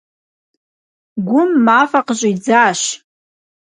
Гум мафӏэ къыщӏидзащ.